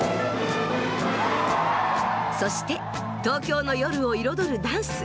そして東京の夜を彩るダンス。